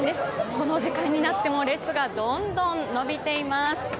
この時間になっても列がどんどん伸びています。